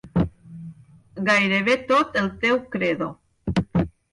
Gairebé tot el teu credo.